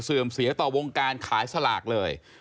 เสียต่อวงการขายสลากเลย